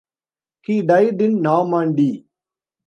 He died in Normandy.